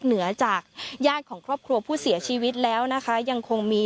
เหนือจากญาติของครอบครัวผู้เสียชีวิตแล้วนะคะยังคงมี